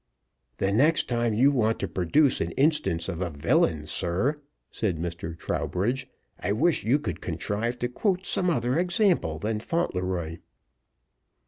"The next time you want to produce an instance of a villain, sir," said Mr. Trowbridge, "I wish you could contrive to quote some other example than Fauntleroy."